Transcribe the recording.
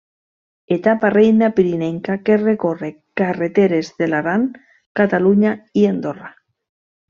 Etapa reina pirinenca, que recorre carreteres de l'Aran, Catalunya i Andorra.